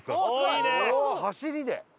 走りで！